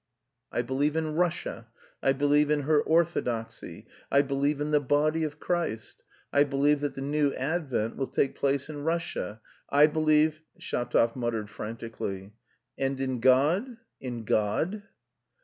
"I believe in Russia.... I believe in her orthodoxy.... I believe in the body of Christ.... I believe that the new advent will take place in Russia.... I believe..." Shatov muttered frantically. "And in God? In God?"